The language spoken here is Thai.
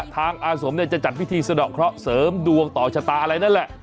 ทางอาสมเนี่ยจะจัดพิธีสะเดาะครอบเสริมดวงต่อชะตาอะไรนั่นแหละ